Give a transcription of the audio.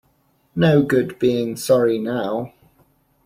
No good being sorry now.